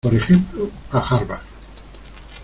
por ejemplo, a Harvard.